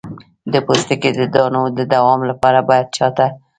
د پوستکي د دانو د دوام لپاره باید چا ته لاړ شم؟